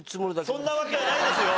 そんなわけはないですよ！